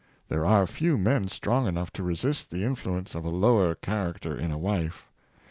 There are few men strong enough to resist the influence of a lower character in a wife.